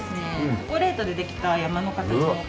チョコレートでできた山の形のお菓子。